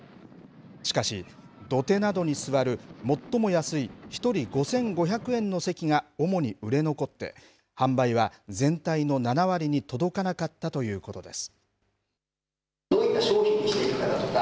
しかし、土手などに座る最も安い１人５５００円の席が主に売れ残って、販売は全体の７割に届かなかったということです。